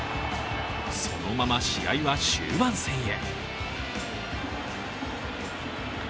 そのまま試合は終盤戦へ。